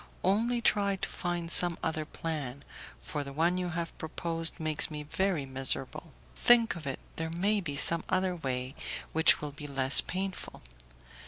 Only try to find some other plan, for the one you have proposed makes me very miserable. Think of it, there may be some other way which will be less painful.